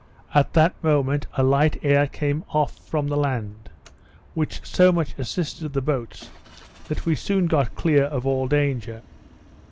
At that moment, a light air came off from the land, which so much assisted the boats, that we soon got clear of all danger.